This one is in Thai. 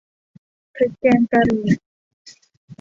พริกแกงกะหรี่